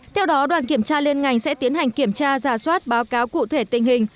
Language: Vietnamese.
theo đó đoàn kiểm tra liên ngành sẽ tiến hành kiểm tra giả soát báo cáo cụ thể tình hình